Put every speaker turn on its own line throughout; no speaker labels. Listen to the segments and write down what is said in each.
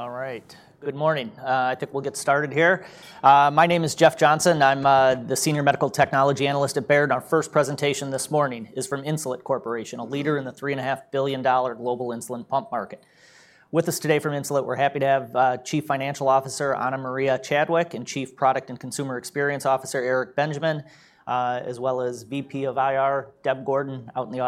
All right. Good morning. I think we'll get started here. My name is Jeff Johnson. I'm the Senior Medical Technology Analyst at Baird. Our first presentation this morning is from Insulet Corporation, a leader in the $3.5 billion global insulin pump market. With us today from Insulet, we're happy to have Chief Financial Officer Ana Maria Chadwick and Chief Product and Customer Experience Officer Eric Benjamin, as well as VP of IR Deb Gordon, out in the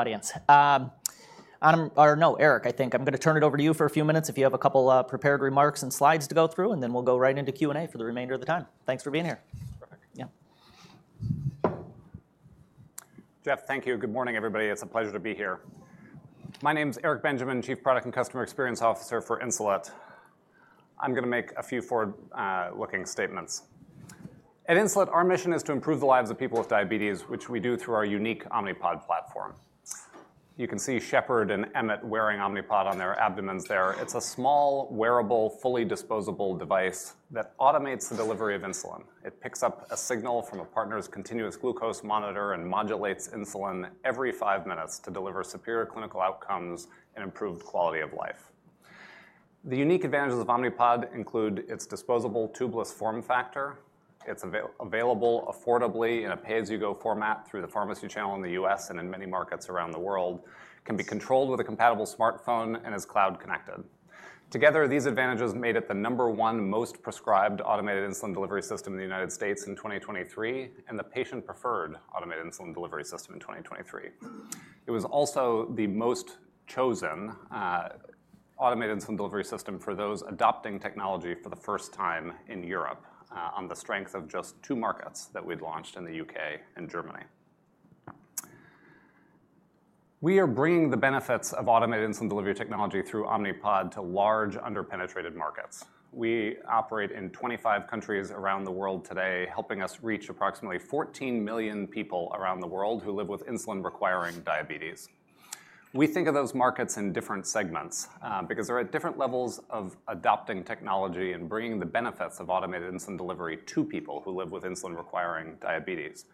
audience. Ana—or no, Eric, I think I'm gonna turn it over to you for a few minutes if you have a couple prepared remarks and slides to go through, and then we'll go right into Q&A for the remainder of the time. Thanks for being here.
Perfect.
Yeah.
Jeff, thank you. Good morning, everybody. It's a pleasure to be here. My name is Eric Benjamin, Chief Product and Customer Experience Officer for Insulet. I'm gonna make a few forward-looking statements. At Insulet, our mission is to improve the lives of people with diabetes, which we do through our unique Omnipod platform. You can see Shepherd and Emmett wearing Omnipod on their abdomens there. It's a small, wearable, fully disposable device that automates the delivery of insulin. It picks up a signal from a partner's continuous glucose monitor and modulates insulin every five minutes to deliver superior clinical outcomes and improved quality of life. The unique advantages of Omnipod include its disposable tubeless form factor. It's available affordably in a pay-as-you-go format through the pharmacy channel in the U.S. and in many markets around the world, can be controlled with a compatible smartphone and is cloud connected. Together, these advantages made it the number one most prescribed automated insulin delivery system in the United States in 2023, and the patient-preferred automated insulin delivery system in 2023. It was also the most chosen automated insulin delivery system for those adopting technology for the first time in Europe, on the strength of just two markets that we'd launched in the U.K. and Germany. We are bringing the benefits of automated insulin delivery technology through Omnipod to large, under-penetrated markets. We operate in 25 countries around the world today, helping us reach approximately 14 million people around the world who live with insulin-requiring diabetes. We think of those markets in different segments, because they're at different levels of adopting technology and bringing the benefits of automated insulin delivery to people who live with insulin-requiring diabetes.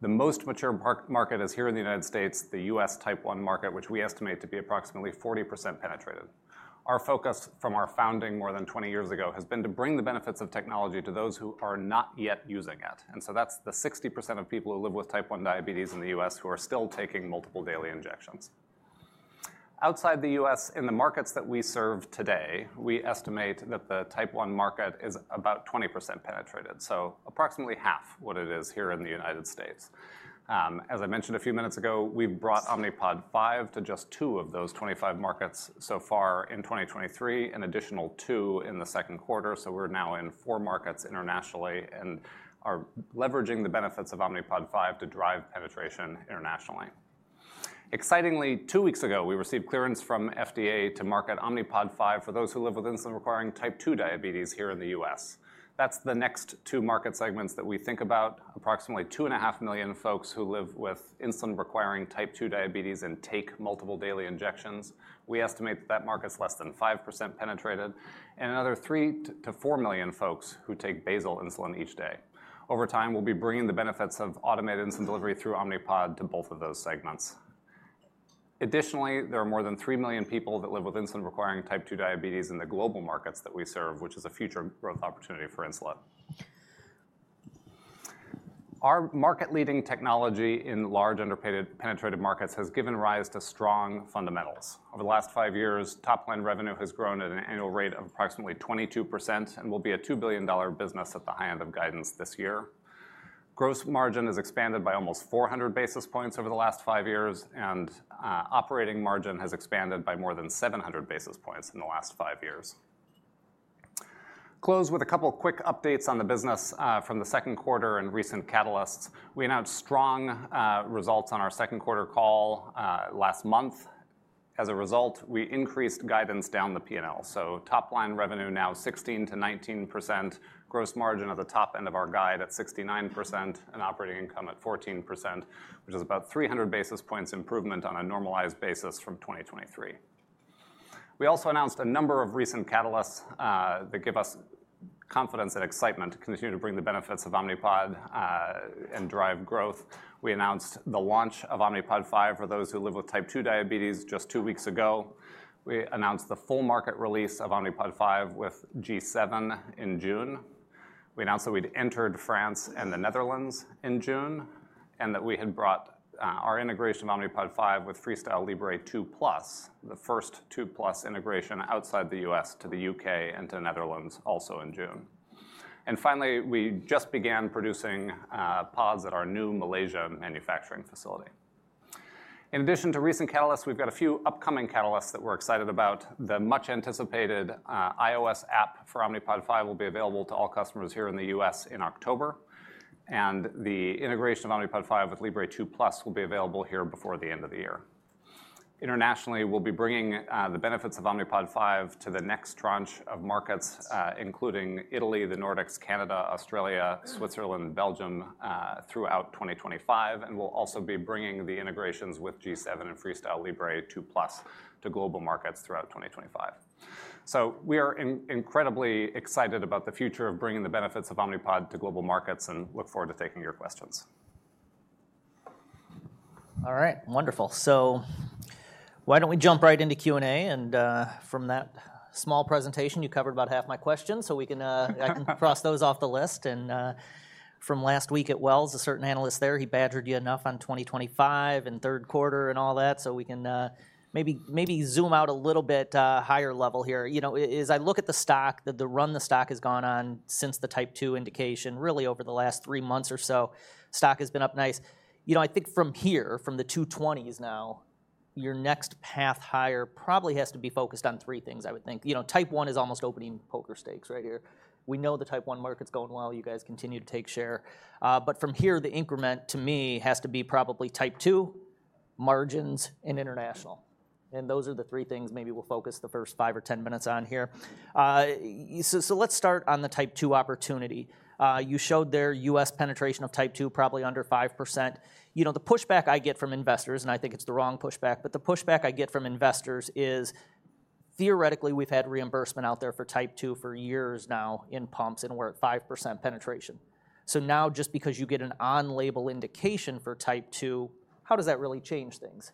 The most mature market is here in the United States, the U.S. Type 1 market, which we estimate to be approximately 40% penetrated. Our focus from our founding more than 20 years ago has been to bring the benefits of technology to those who are not yet using it, and so that's the 60% of people who live with Type 1 diabetes in the U.S. who are still taking multiple daily injections. Outside the U.S., in the markets that we serve today, we estimate that the Type 1 market is about 20% penetrated, so approximately half what it is here in the United States. As I mentioned a few minutes ago, we've brought Omnipod 5 to just two of those 25 markets so far in 2023, an additional two in the second quarter. So we're now in four markets internationally and are leveraging the benefits of Omnipod 5 to drive penetration internationally. Excitingly, two weeks ago, we received clearance from FDA to market Omnipod 5 for those who live with insulin-requiring Type 2 diabetes here in the U.S. That's the next two market segments that we think about, approximately 2.5 million folks who live with insulin-requiring Type 2 diabetes and take multiple daily injections. We estimate that that market's less than 5% penetrated, and another 3 million-4 million folks who take basal insulin each day. Over time, we'll be bringing the benefits of automated insulin delivery through Omnipod to both of those segments. Additionally, there are more than 3 million people that live with insulin-requiring Type 2 diabetes in the global markets that we serve, which is a future growth opportunity for Insulet. Our market-leading technology in large, under-penetrated markets has given rise to strong fundamentals. Over the last five years, top line revenue has grown at an annual rate of approximately 22% and will be a $2 billion business at the high end of guidance this year. Gross margin has expanded by almost 400 basis points over the last five years, and operating margin has expanded by more than 700 basis points in the last five years. Close with a couple quick updates on the business from the second quarter and recent catalysts. We announced strong results on our second quarter call last month. As a result, we increased guidance down the P&L. So top-line revenue now 16%-19%, gross margin at the top end of our guide at 69%, and operating income at 14%, which is about 300 basis points improvement on a normalized basis from 2023. We also announced a number of recent catalysts that give us confidence and excitement to continue to bring the benefits of Omnipod and drive growth. We announced the launch of Omnipod 5 for those who live with Type 2 diabetes just two weeks ago. We announced the full market release of Omnipod 5 with G7 in June. We announced that we'd entered France and the Netherlands in June, and that we had brought our integration of Omnipod 5 with FreeStyle Libre 2 Plus, the first 2 Plus integration outside the U.S. to the U.K. and to Netherlands, also in June. And finally, we just began producing pods at our new Malaysia manufacturing facility. In addition to recent catalysts, we've got a few upcoming catalysts that we're excited about. The much-anticipated iOS app for Omnipod 5 will be available to all customers here in the U.S. in October, and the integration of Omnipod 5 with FreeStyle Libre 2 Plus will be available here before the end of the year. Internationally, we'll be bringing the benefits of Omnipod 5 to the next tranche of markets, including Italy, the Nordics, Canada, Australia, Switzerland, Belgium, throughout 2025, and we'll also be bringing the integrations with G7 and FreeStyle Libre 2 Plus to global markets throughout 2025. So we are incredibly excited about the future of bringing the benefits of Omnipod to global markets and look forward to taking your questions.
All right, wonderful. So why don't we jump right into Q&A? And, from that small presentation, you covered about half my questions, so we can, I can cross those off the list. And, from last week at Wells, a certain analyst there, he badgered you enough on 2025 and third quarter and all that, so we can, maybe, maybe zoom out a little bit, higher level here. You know, as I look at the stock, the run the stock has gone on since the Type 2 indication, really over the last three months or so, stock has been up nice. You know, I think from here, from the two twenties now, your next path higher probably has to be focused on three things, I would think. You know, Type 1 is almost opening poker stakes right here. We know the Type 1 market's going well. You guys continue to take share, but from here, the increment to me has to be probably Type 2, margins, and international, and those are the three things maybe we'll focus the first five or 10 minutes on here, so let's start on the Type 2 opportunity. You showed there U.S. penetration of Type 2, probably under 5%. You know, the pushback I get from investors, and I think it's the wrong pushback, but the pushback I get from investors is, theoretically, we've had reimbursement out there for Type 2 for years now in pumps, and we're at 5% penetration. So now, just because you get an on-label indication for Type 2, how does that really change things?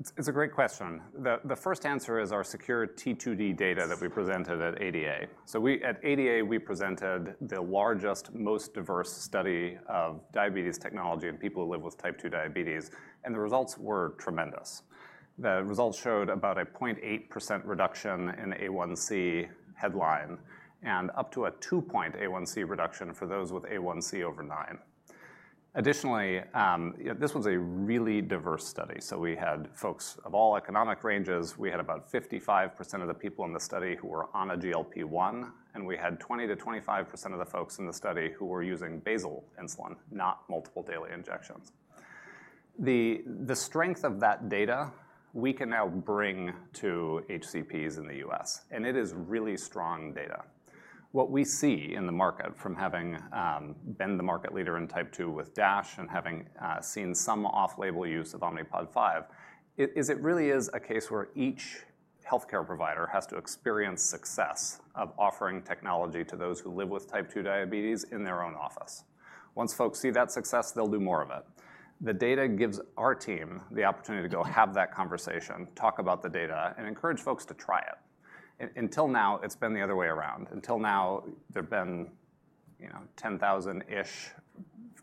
It's a great question. The first answer is our SECURE-T2D data that we presented at ADA. So at ADA, we presented the largest, most diverse study of diabetes technology in people who live with Type 2 diabetes, and the results were tremendous. The results showed about a 0.8% reduction in A1C headline and up to a 2-point A1C reduction for those with A1C over nine. Additionally, this was a really diverse study. So we had folks of all economic ranges. We had about 55% of the people in the study who were on a GLP-1, and we had 20%-25% of the folks in the study who were using basal insulin, not multiple daily injections. The strength of that data, we can now bring to HCPs in the U.S., and it is really strong data. What we see in the market from having been the market leader in Type 2 with DASH and having seen some off-label use of Omnipod 5, it is, it really is a case where each healthcare provider has to experience success of offering technology to those who live with Type 2 diabetes in their own office. Once folks see that success, they'll do more of it. The data gives our team the opportunity to go have that conversation, talk about the data, and encourage folks to try it. Until now, it's been the other way around. Until now, there have been, you know, 10,000-ish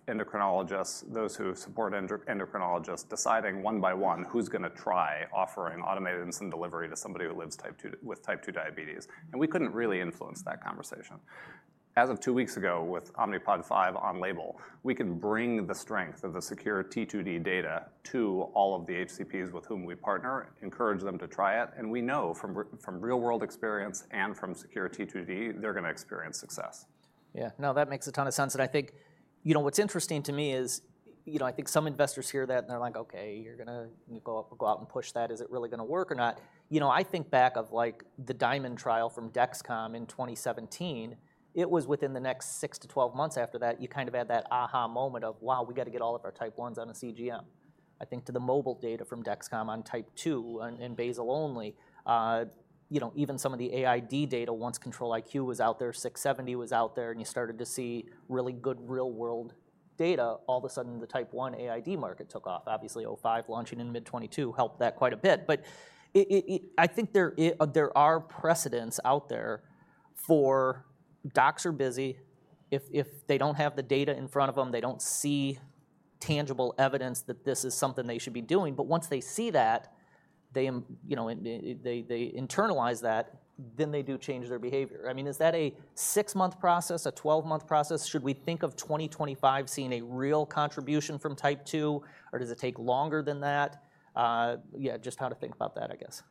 endocrinologists, those who support endocrinologists, deciding one by one who's gonna try offering automated insulin delivery to somebody who lives Type 2, with Type 2 diabetes, and we couldn't really influence that conversation. As of two weeks ago, with Omnipod 5 on label, we can bring the strength of the SECURE-T2D data to all of the HCPs with whom we partner, encourage them to try it, and we know from real-world experience and from SECURE-T2D, they're gonna experience success.
Yeah. No, that makes a ton of sense, and I think, you know, what's interesting to me is, you know, I think some investors hear that, and they're like, "Okay, you're gonna go up, go out and push that. Is it really gonna work or not?" You know, I think back of, like, the DIaMonD trial from Dexcom in 2017, it was within the next six to 12 months after that, you kind of had that aha moment of, "Wow, we got to get all of our Type 1s on a CGM." I think to the mobile data from Dexcom on Type 2 and basal only, you know, even some of the AID data, once Control-IQ was out there, 670G was out there, and you started to see really good real-world data. All of a sudden, the Type 1 AID market took off. Obviously, Omnipod 5 launching in mid-2022 helped that quite a bit. But it, I think there are precedents out there for. Docs are busy. If they don't have the data in front of them, they don't see tangible evidence that this is something they should be doing, but once they see that, you know, they internalize that, then they do change their behavior. I mean, is that a six-month process, a 12-month process? Should we think of 2025 seeing a real contribution from Type 2, or does it take longer than that? Yeah, just how to think about that, I guess.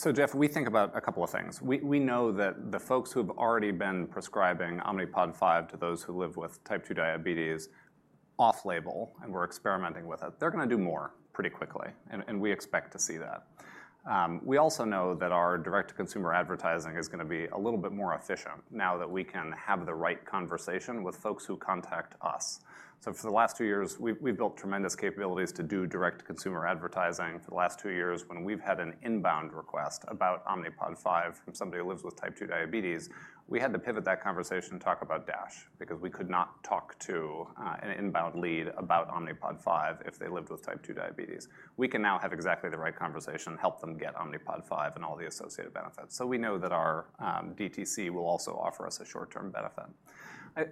So, Jeff, we think about a couple of things. We know that the folks who've already been prescribing Omnipod 5 to those who live with Type 2 diabetes off-label, and were experimenting with it, they're gonna do more pretty quickly, and we expect to see that. We also know that our direct-to-consumer advertising is gonna be a little bit more efficient now that we can have the right conversation with folks who contact us. So for the last two years, we've built tremendous capabilities to do direct-to-consumer advertising. For the last two years, when we've had an inbound request about Omnipod 5 from somebody who lives with Type 2 diabetes, we had to pivot that conversation and talk about DASH, because we could not talk to an inbound lead about Omnipod 5 if they lived with Type 2 diabetes. We can now have exactly the right conversation, help them get Omnipod 5 and all the associated benefits. So we know that our DTC will also offer us a short-term benefit. I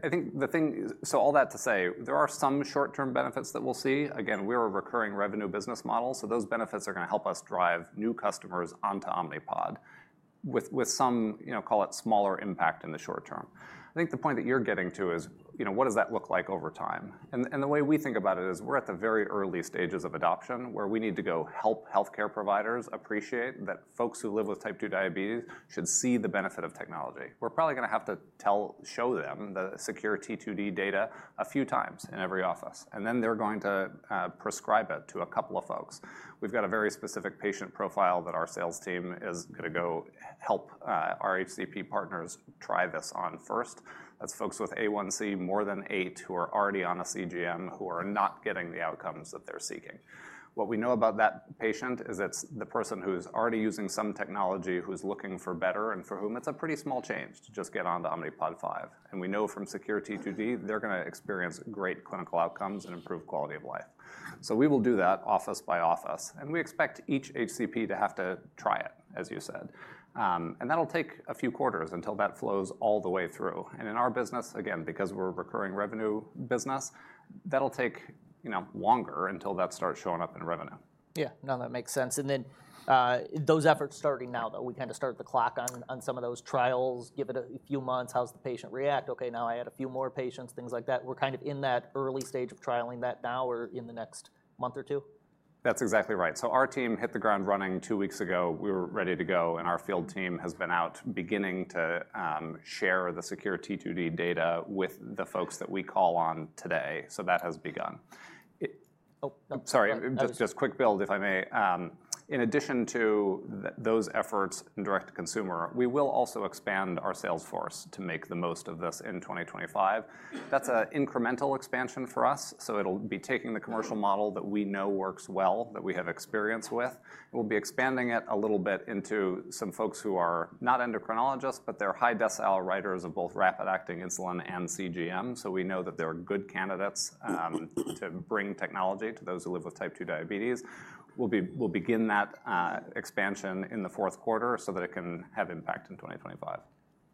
think. So all that to say, there are some short-term benefits that we'll see. Again, we're a recurring revenue business model, so those benefits are gonna help us drive new customers onto Omnipod with some, you know, call it smaller impact in the short term. I think the point that you're getting to is, you know, what does that look like over time? And the way we think about it is, we're at the very early stages of adoption, where we need to go help healthcare providers appreciate that folks who live with Type 2 diabetes should see the benefit of technology. We're probably gonna have to show them the SECURE-T2D data a few times in every office, and then they're going to prescribe it to a couple of folks. We've got a very specific patient profile that our sales team is gonna go help our HCP partners try this on first. That's folks with A1C more than eight, who are already on a CGM, who are not getting the outcomes that they're seeking. What we know about that patient is it's the person who's already using some technology, who's looking for better, and for whom it's a pretty small change to just get onto Omnipod 5. And we know from SECURE-T2D, they're gonna experience great clinical outcomes and improved quality of life. So we will do that office by office, and we expect each HCP to have to try it, as you said. That'll take a few quarters until that flows all the way through. In our business, again, because we're a recurring revenue business, that'll take, you know, longer until that starts showing up in revenue.
Yeah. No, that makes sense. And then, those efforts starting now, though, we kind of start the clock on some of those trials, give it a few months, how's the patient react? Okay, now I add a few more patients, things like that. We're kind of in that early stage of trialing that now or in the next month or two?
That's exactly right. So our team hit the ground running two weeks ago. We were ready to go, and our field team has been out beginning to share the SECURE-T2D data with the folks that we call on today, so that has begun. Oh, sorry, just quick build, if I may. In addition to those efforts in direct to consumer, we will also expand our sales force to make the most of this in 2025. That's a incremental expansion for us, so it'll be taking the commercial model that we know works well, that we have experience with. We'll be expanding it a little bit into some folks who are not endocrinologists, but they're high decile writers of both rapid-acting insulin and CGM. So we know that they are good candidates to bring technology to those who live with Type 2 diabetes. We'll begin that expansion in the fourth quarter so that it can have impact in 2025.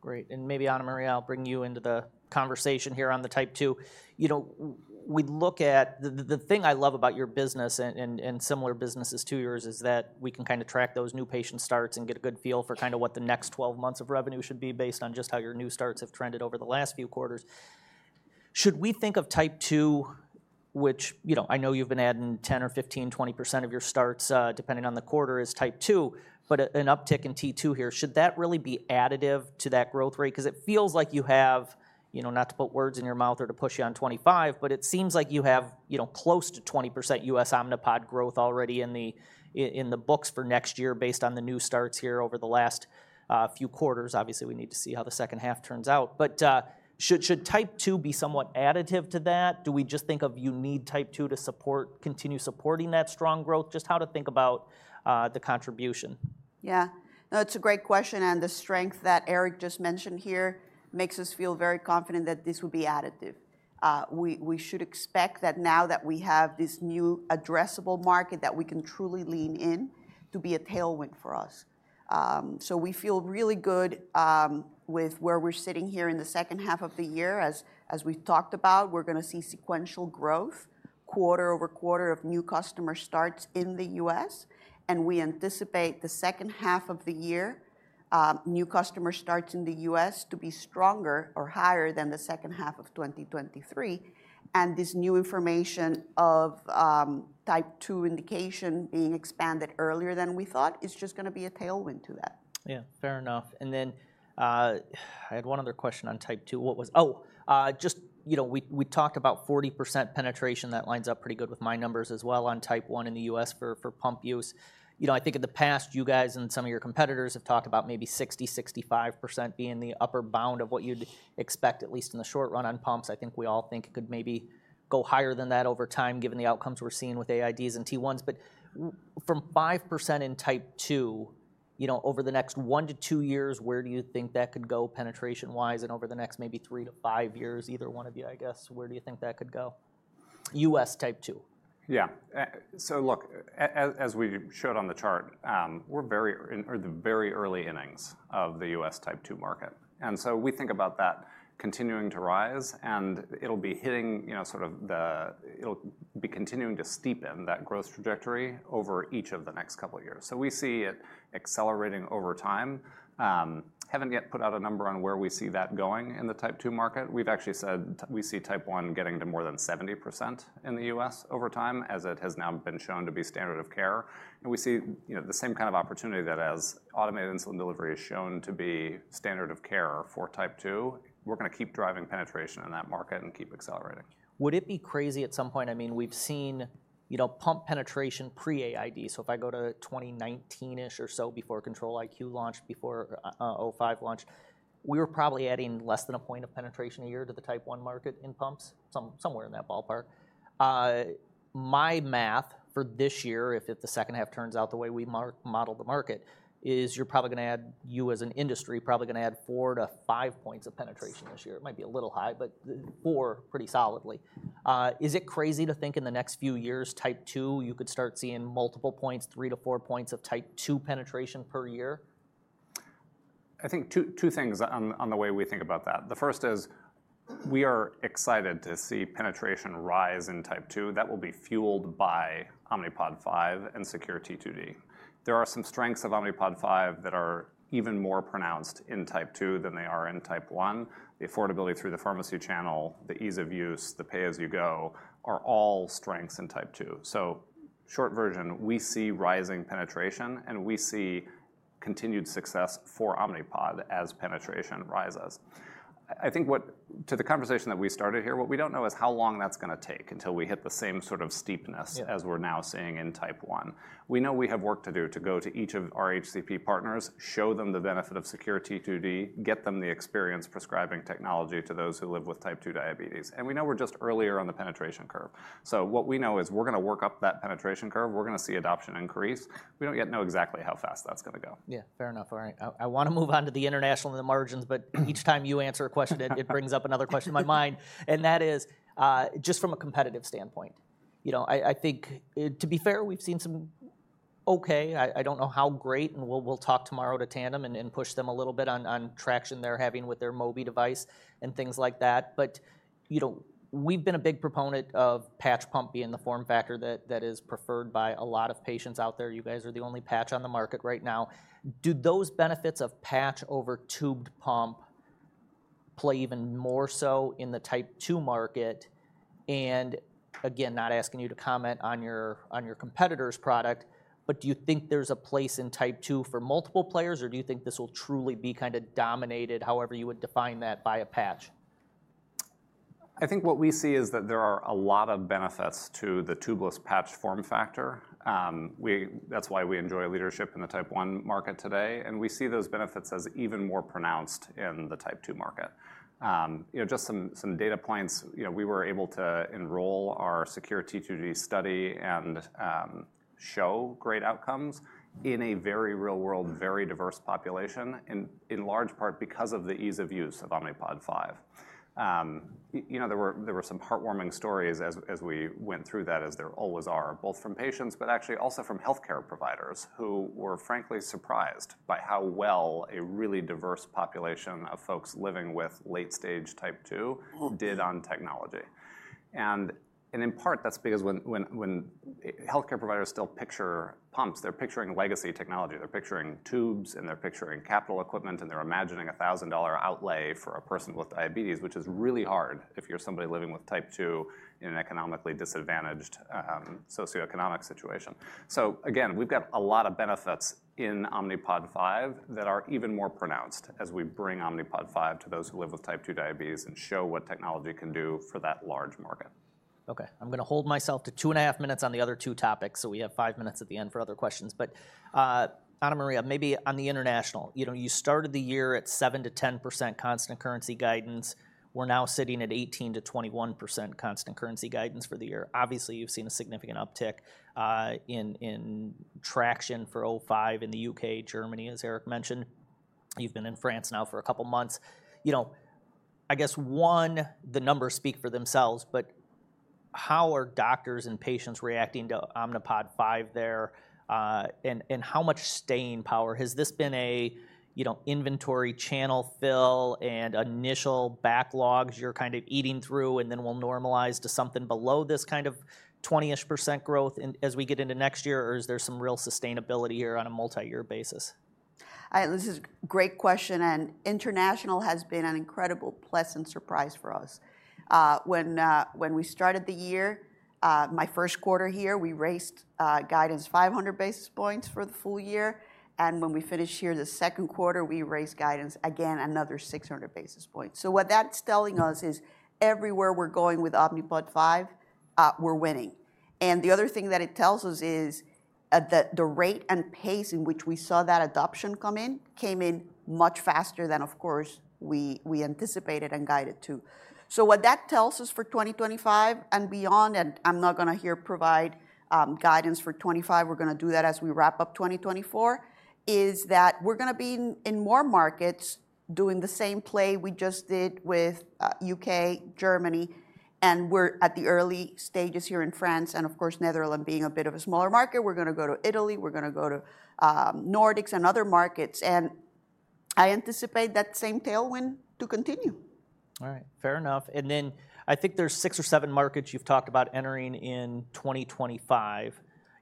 Great. And maybe Ana Maria, I'll bring you into the conversation here on the Type 2. You know, we look at... the thing I love about your business and similar businesses to yours is that we can kind of track those new patient starts and get a good feel for kind of what the next 12 months of revenue should be, based on just how your new starts have trended over the last few quarters. Should we think of type two, which, you know, I know you've been adding 10% or 15%, 20% of your starts, depending on the quarter, is Type 2, but an uptick in T2 here, should that really be additive to that growth rate? 'Cause it feels like you have, you know, not to put words in your mouth or to push you on 2025, but it seems like you have, you know, close to 20% U.S. Omnipod growth already in the books for next year, based on the new starts here over the last few quarters. Obviously, we need to see how the second half turns out. But should Type 2 be somewhat additive to that? Do we just think of you need Type 2 to support, continue supporting that strong growth? Just how to think about the contribution.
Yeah. No, it's a great question, and the strength that Eric just mentioned here makes us feel very confident that this will be additive. We should expect that now that we have this new addressable market, that we can truly lean in to be a tailwind for us. So we feel really good with where we're sitting here in the second half of the year. As we've talked about, we're gonna see sequential growth, quarter-over-quarter of new customer starts in the U.S., and we anticipate the second half of the year, new customer starts in the U.S. to be stronger or higher than the second half of 2023, and this new information of Type 2 indication being expanded earlier than we thought is just gonna be a tailwind to that.
Yeah, fair enough. And then, I had one other question on Type 2. Oh! Just, you know, we talked about 40% penetration. That lines up pretty good with my numbers as well on Type 1 in the U.S. for pump use. You know, I think in the past, you guys and some of your competitors have talked about maybe 60%-65% being the upper bound of what you'd expect, at least in the short run, on pumps. I think we all think it could maybe go higher than that over time, given the outcomes we're seeing with AIDs and T1s. But from 5% in Type 2, you know, over the next one to two years, where do you think that could go, penetration-wise, and over the next maybe three to five years? Either one of you, I guess. Where do you think that could go? U.S. Type 2.
Yeah. So look, as we showed on the chart, we're very in the very early innings of the U.S. type two market, and so we think about that continuing to rise, and it'll be hitting, you know, sort of the, it'll be continuing to steepen that growth trajectory over each of the next couple of years, so we see it accelerating over time. Haven't yet put out a number on where we see that going in the Type 2 market. We've actually said we see type one getting to more than 70% in the U.S. over time, as it has now been shown to be standard of care. We see, you know, the same kind of opportunity that, as automated insulin delivery is shown to be standard of care for Type 2, we're gonna keep driving penetration in that market and keep accelerating.
Would it be crazy at some point? I mean, we've seen, you know, pump penetration pre-AID. So if I go to 2019-ish or so before Control-IQ launched, before O5 launched, we were probably adding less than a point of penetration a year to the Type 1 market in pumps, somewhere in that ballpark. My math for this year, if the second half turns out the way we model the market, is you're probably gonna add, you as an industry, probably gonna add 4-5 points of penetration this year. It might be a little high, but four, pretty solidly. Is it crazy to think in the next few years, Type 2, you could start seeing multiple points, 3-4 points of Type 2 penetration per year?
I think two things on the way we think about that. The first is we are excited to see penetration rise in Type 2. That will be fueled by Omnipod 5 and SECURE-T2D. There are some strengths of Omnipod 5 that are even more pronounced in Type 2 than they are in Type 1. The affordability through the pharmacy channel, the ease of use, the pay-as-you-go, are all strengths in Type 2. So short version, we see rising penetration, and we see continued success for Omnipod as penetration rises. I think what to the conversation that we started here, what we don't know is how long that's gonna take until we hit the same sort of steepness
Yeah...
as we're now seeing in type one. We know we have work to do to go to each of our HCP partners, show them the benefit of SECURE-T2D, get them the experience prescribing technology to those who live with Type 2 diabetes, and we know we're just earlier on the penetration curve. So what we know is we're gonna work up that penetration curve. We're gonna see adoption increase. We don't yet know exactly how fast that's gonna go.
Yeah, fair enough. All right. I wanna move on to the international and the margins, but each time you answer a question it brings up another question in my mind, and that is, just from a competitive standpoint, you know, I think, to be fair, we've seen some okay, I don't know how great, and we'll talk tomorrow to Tandem and push them a little bit on traction they're having with their Mobi device and things like that. But, you know, we've been a big proponent of patch pump being the form factor that is preferred by a lot of patients out there. You guys are the only patch on the market right now. Do those benefits of patch over tubed pump play even more so in the Type 2 market? Again, not asking you to comment on your competitor's product, but do you think there's a place in Type 2 for multiple players, or do you think this will truly be kind of dominated, however you would define that, by a patch?
I think what we see is that there are a lot of benefits to the tubeless patch form factor. That's why we enjoy leadership in the Type 1 market today, and we see those benefits as even more pronounced in the Type 2 market. You know, just some data points, you know, we were able to enroll our SECURE-T2D study and show great outcomes in a very real world, very diverse population, and in large part because of the ease of use of Omnipod 5. You know, there were some heartwarming stories as we went through that, as there always are, both from patients, but actually also from healthcare providers, who were frankly surprised by how well a really diverse population of folks living with late-stage Type 2 did on technology. And in part, that's because when healthcare providers still picture pumps, they're picturing legacy technology. They're picturing tubes, and they're picturing capital equipment, and they're imagining a $1,000 outlay for a person with diabetes, which is really hard if you're somebody living with Type 2 in an economically disadvantaged socioeconomic situation. So again, we've got a lot of benefits in Omnipod 5 that are even more pronounced as we bring Omnipod 5 to those who live with Type 2 diabetes and show what technology can do for that large market.
Okay, I'm gonna hold myself to two and a half minutes on the other two topics, so we have five minutes at the end for other questions. But, Ana Maria, maybe on the international, you know, you started the year at 7%-10% constant currency guidance. We're now sitting at 18%-21% constant currency guidance for the year. Obviously, you've seen a significant uptick in traction for Omnipod 5 in the U.K., Germany, as Eric mentioned. You've been in France now for a couple of months. You know, I guess, one, the numbers speak for themselves, but how are doctors and patients reacting to Omnipod 5 there? And how much staying power? Has this been a, you know, inventory channel fill and initial backlogs you're kind of eating through, and then we'll normalize to something below this kind of 20-ish percent growth in as we get into next year, or is there some real sustainability here on a multi-year basis?
This is great question, and international has been an incredible pleasant surprise for us. When we started the year, my first quarter here, we raised guidance 500 basis points for the full year, and when we finished here the second quarter, we raised guidance again another 600 basis points. So what that's telling us is, everywhere we're going with Omnipod 5, we're winning. And the other thing that it tells us is, that the rate and pace in which we saw that adoption come in much faster than, of course, we anticipated and guided to. So what that tells us for 2025 and beyond, and I'm not gonna here provide guidance for 2025, we're gonna do that as we wrap up 2024, is that we're gonna be in more markets doing the same play we just did with U.K., Germany, and we're at the early stages here in France, and of course, Netherlands being a bit of a smaller market. We're gonna go to Italy, we're gonna go to Nordics and other markets, and I anticipate that same tailwind to continue.
All right, fair enough. And then, I think there's six or seven markets you've talked about entering in 2025.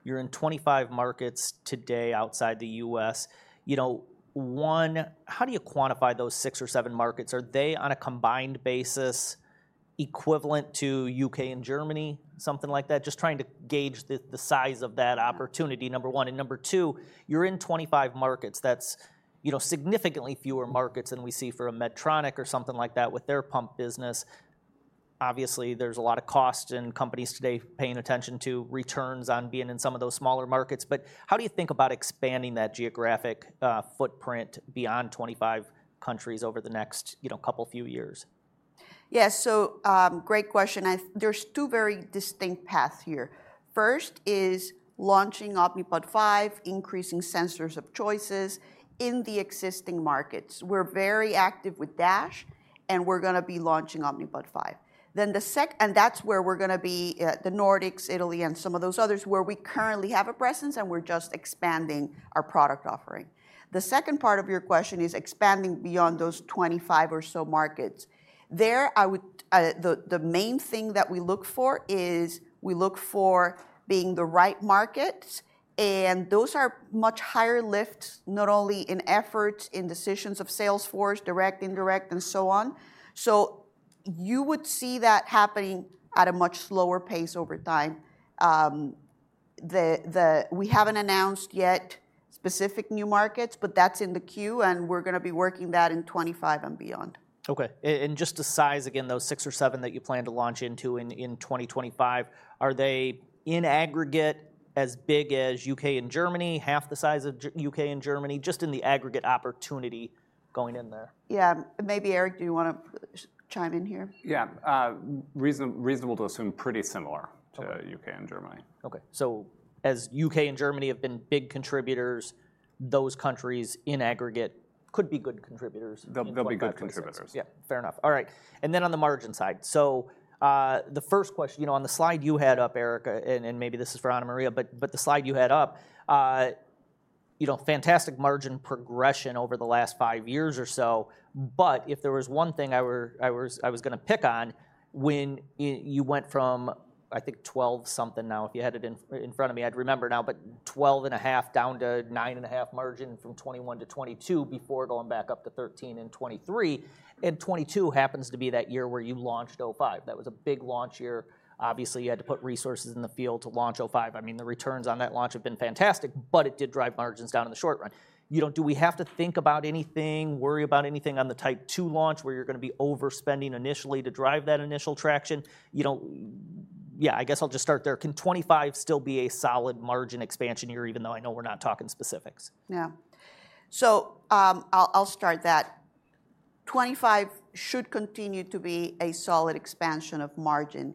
You're in 25 markets today outside the U.S. You know, one, how do you quantify those six or seven markets? Are they, on a combined basis, equivalent to U.K. and Germany, something like that? Just trying to gauge the size of that opportunity, number one. And number two, you're in 25 markets. That's, you know, significantly fewer markets than we see for a Medtronic or something like that with their pump business. Obviously, there's a lot of cost, and companies today paying attention to returns on being in some of those smaller markets. But how do you think about expanding that geographic footprint beyond 25 countries over the next, you know, couple, few years?
Yeah, so, great question, and there's two very distinct paths here. First is launching Omnipod 5, increasing sensors of choices in the existing markets. We're very active with DASH, and we're gonna be launching Omnipod 5. Then. And that's where we're gonna be, the Nordics, Italy, and some of those others where we currently have a presence, and we're just expanding our product offering. The second part of your question is expanding beyond those twenty-five or so markets. There, I would. The main thing that we look for is, we look for being the right market, and those are much higher lifts, not only in effort, in decisions of sales force, direct, indirect, and so on. So you would see that happening at a much slower pace over time. We haven't announced yet specific new markets, but that's in the queue, and we're gonna be working that in 2025 and beyond.
Okay, and just to size again, those six or seven that you plan to launch into in 2025, are they, in aggregate, as big as U.K. and Germany, half the size of U.K. and Germany, just in the aggregate opportunity going in there?
Yeah. Maybe, Eric, do you wanna chime in here?
Yeah, reasonable to assume pretty similar-
Okay.
to U.K. and Germany.
Okay, so as U.K. and Germany have been big contributors, those countries in aggregate could be good contributors.
They'll be good contributors.
Yeah, fair enough. All right, and then on the margin side. So, the first question, you know, on the slide you had up, Eric, and maybe this is for Ana Maria, but the slide you had up, you know, fantastic margin progression over the last five years or so. But if there was one thing I was gonna pick on, when you went from, I think, 12 something, if you had it in front of me, I'd remember now, but 12.5% down to 9.5% margin from 2021 to 2022 before going back up to 13% in 2023. And 2022 happens to be that year where you launched O5. That was a big launch year. Obviously, you had to put resources in the field to launch O5. I mean, the returns on that launch have been fantastic, but it did drive margins down in the short run. You know, do we have to think about anything, worry about anything on the Type 2 launch, where you're gonna be overspending initially to drive that initial traction? You know, yeah, I guess I'll just start there. Can 2025 still be a solid margin expansion year, even though I know we're not talking specifics?
Yeah. So, I'll start that. 2025 should continue to be a solid expansion of margin.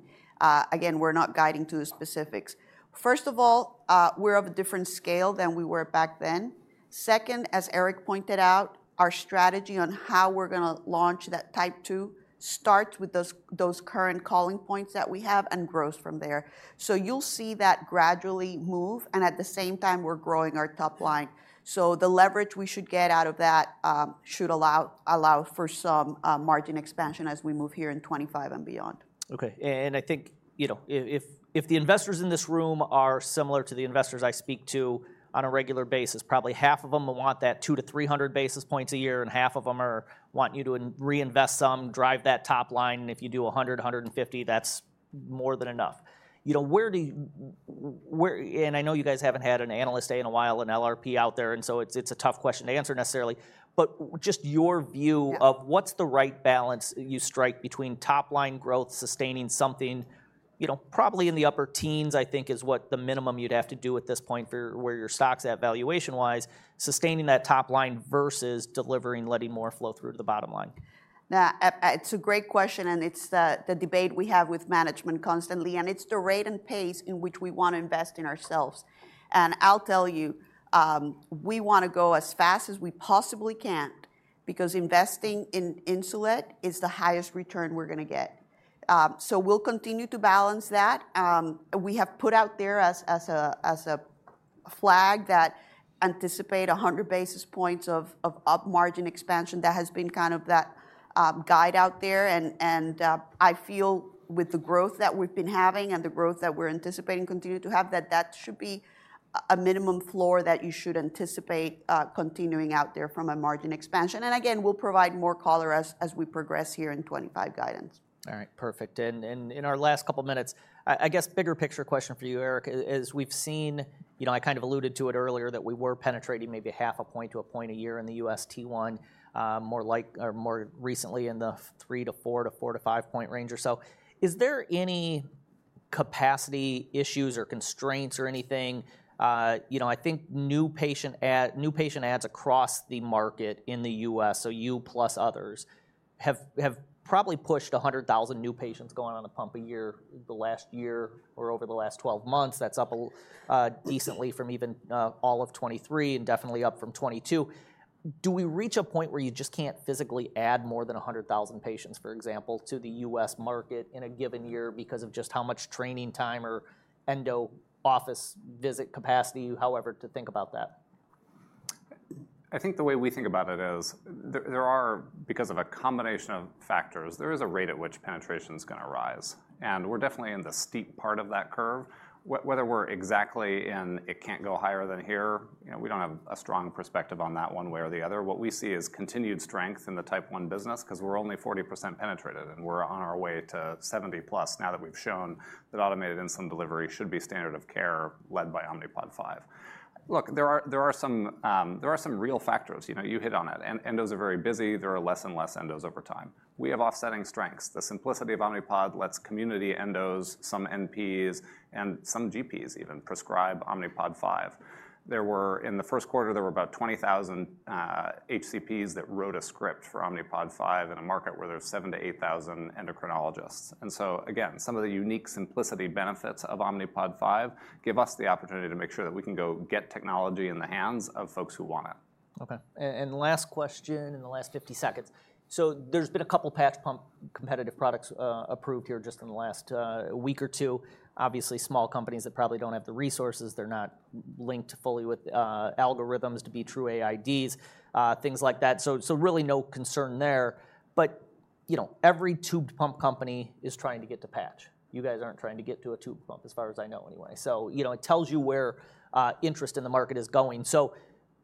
Again, we're not guiding to the specifics. First of all, we're of a different scale than we were back then. Second, as Eric pointed out, our strategy on how we're gonna launch that Type 2 starts with those current calling points that we have and grows from there. So you'll see that gradually move, and at the same time, we're growing our top line. So the leverage we should get out of that should allow for some margin expansion as we move here in 2025 and beyond.
Okay. And I think, you know, if the investors in this room are similar to the investors I speak to on a regular basis, probably half of them will want that 200-300 basis points a year, and half of them want you to reinvest some, drive that top line. If you do 100, 150, that's more than enough. You know, where do you where. And I know you guys haven't had an Analyst Day in a while, an LRP out there, and so it's a tough question to answer necessarily, but just your view
Yeah...
of what's the right balance you strike between top-line growth, sustaining something, you know, probably in the upper teens, I think, is what the minimum you'd have to do at this point for where your stock's at valuation-wise, sustaining that top line versus delivering, letting more flow through to the bottom line?
It's a great question, and it's the debate we have with management constantly, and it's the rate and pace in which we want to invest in ourselves, and I'll tell you, we wanna go as fast as we possibly can because investing in Insulet is the highest return we're gonna get, so we'll continue to balance that. We have put out there as a flag that anticipate 100 basis points of up margin expansion. That has been kind of that guide out there, and I feel with the growth that we've been having and the growth that we're anticipating continuing to have, that that should be a minimum floor that you should anticipate continuing out there from a margin expansion, and again, we'll provide more color as we progress here in 2025 guidance.
All right, perfect. And in our last couple minutes, I guess bigger picture question for you, Eric. As we've seen, you know, I kind of alluded to it earlier, that we were penetrating maybe half a point to a point a year in the U.S. T1, more like or more recently in the 3-4 to 5 point range or so. Is there any capacity issues or constraints or anything? You know, I think new patient add, new patient adds across the market in the U.S., so you plus others, have probably pushed 100,000 new patients going on a pump a year, the last year or over the last 12 months. That's up decently from even all of 2023 and definitely up from 2022. Do we reach a point where you just can't physically add more than 100,000 patients, for example, to the U.S. market in a given year because of just how much training time or endo office visit capacity, however, to think about that?
I think the way we think about it is there are. Because of a combination of factors, there is a rate at which penetration is gonna rise, and we're definitely in the steep part of that curve. Whether we're exactly in, it can't go higher than here, you know, we don't have a strong perspective on that one way or the other. What we see is continued strength in the Type 1 business, 'cause we're only 40% penetrated, and we're on our way to 70+, now that we've shown that automated insulin delivery should be standard of care, led by Omnipod 5. Look, there are some real factors. You know, you hit on it. Endos are very busy. There are less and less endos over time. We have offsetting strengths. The simplicity of Omnipod lets community endos, some NPs, and some GPs even prescribe Omnipod 5. In the first quarter, there were about 20,000 HCPs that wrote a script for Omnipod 5 in a market where there are 7,000-8,000 endocrinologists. And so again, some of the unique simplicity benefits of Omnipod 5 give us the opportunity to make sure that we can go get technology in the hands of folks who want it.
Okay, and last question in the last 50 seconds. So there's been a couple patch pump competitive products approved here just in the last week or two. Obviously, small companies that probably don't have the resources. They're not linked fully with algorithms to be true AIDs, things like that, so really no concern there. But, you know, every tubed pump company is trying to get to patch. You guys aren't trying to get to a tubed pump, as far as I know, anyway. So, you know, it tells you where interest in the market is going. So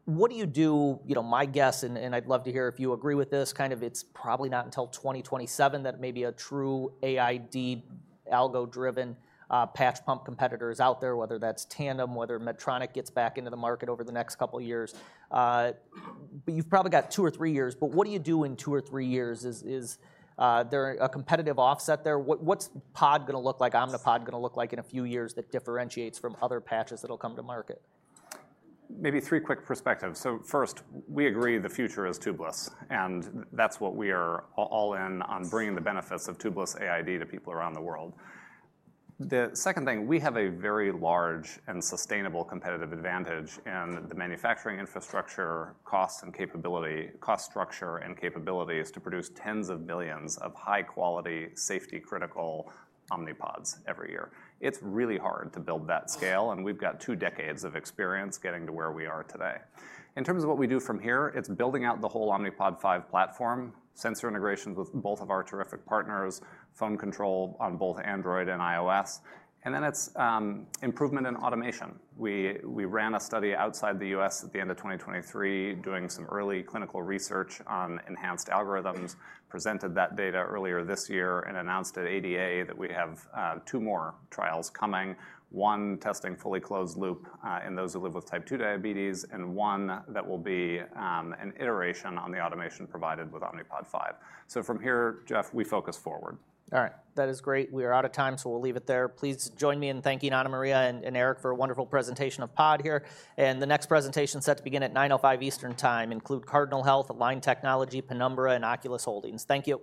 what do you do? You know, my guess, and I'd love to hear if you agree with this, kind of it's probably not until 2027, that maybe a true AID, algo-driven, patch pump competitor is out there, whether that's Tandem, whether Medtronic gets back into the market over the next couple of years. But you've probably got two or three years, but what do you do in two or three years? Is there a competitive offset there? What's pod gonna look like, Omnipod gonna look like in a few years that differentiates from other patches that'll come to market?
Maybe three quick perspectives. So first, we agree the future is tubeless, and that's what we are all in on bringing the benefits of tubeless AID to people around the world. The second thing, we have a very large and sustainable competitive advantage in the manufacturing infrastructure, cost and capability, cost structure and capabilities to produce tens of billions of high-quality, safety-critical Omnipods every year. It's really hard to build that scale, and we've got two decades of experience getting to where we are today. In terms of what we do from here, it's building out the whole Omnipod 5 platform, sensor integrations with both of our terrific partners, phone control on both Android and iOS, and then it's improvement in automation. We ran a study outside the U.S. at the end of 2023, doing some early clinical research on enhanced algorithms, presented that data earlier this year, and announced at ADA that we have two more trials coming, one testing fully closed loop in those who live with Type 2 diabetes, and one that will be an iteration on the automation provided with Omnipod 5. So from here, Jeff, we focus forward.
All right. That is great. We are out of time, so we'll leave it there. Please join me in thanking Ana Maria and Eric for a wonderful presentation of pod here, and the next presentation is set to begin at 9:05 A.M. Eastern Time, including Cardinal Health, Align Technology, Penumbra, and Oculis Holding. Thank you.